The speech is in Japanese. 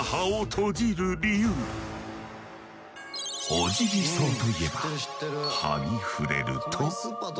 オジギソウといえば葉に触れると。